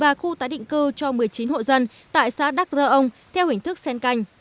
và khu tái định cư cho một mươi chín hộ dân tại xã đắc rơ ông theo hình thức sen canh